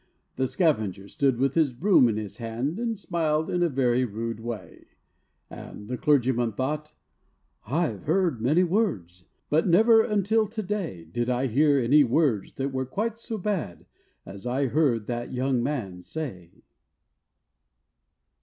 The scavenger stood with his broom in his hand, And smiled in a very rude way; And the clergyman thought, 'I have heard many words, But never, until to day, Did I hear any words that were quite so bad As I heard that young man say.'